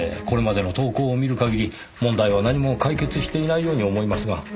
これまでの投稿を見る限り問題は何も解決していないように思えますが。